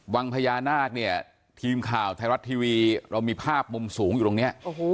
วังพญานาคเนี่ยทีมข่าวไทยรัฐทีวีเรามีภาพมุมสูงอยู่ตรงนี้